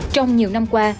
trong nhiều năm qua